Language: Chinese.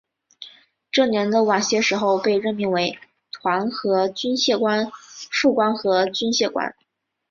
这年的晚些时候被任命为团和军械官副官和军械官。